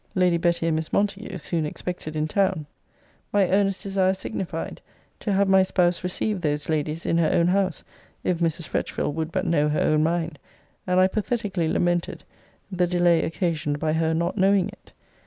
Lady Betty and Miss Montague soon expected in town. 'My earnest desire signified to have my spouse receive those ladies in her own house, if Mrs. Fretchville would but know her own mind; and I pathetically lamented the delay occasioned by her not knowing it.